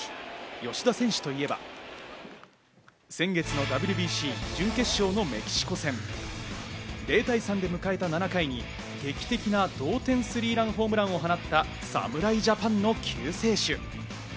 吉田選手といえば、先月のＷＢＣ準決勝のメキシコ戦。０対３で迎えた７回に劇的な同点スリーランホームランを放った侍ジャパンの救世主。